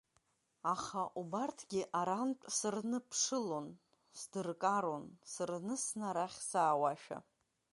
Аха убарҭгьы арантә сырныԥшылон, сдыркарон сырнысны арахь саауашәа.